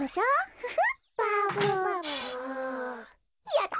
やった！